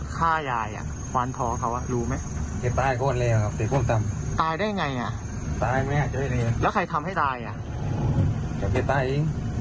ก็เกลียดตายเอง